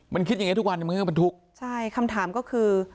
มันคิดอย่างเงี้ทุกวันมันก็บรรทุกใช่คำถามก็คือ